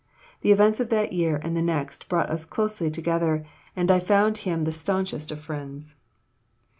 The events of that year and the next brought us closely together, and I found him the stanchest of friends.